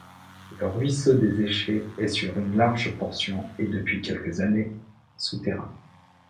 Le ruisseau des Échets est, sur une large portion et depuis quelques années, souterrain.